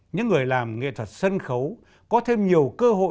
những người làm nghệ thuật sân khấu có thêm nhiều cơ hội